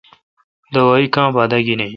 دوائ کا با داگینم۔